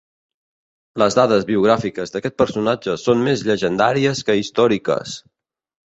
Les dades biogràfiques d'aquest personatge són més llegendàries que històriques.